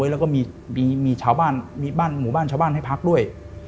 แล้วก็มีหมู่บ้านชาวบ้านให้พักด้วย